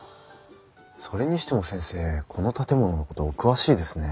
それにしても先生この建物のことお詳しいですね？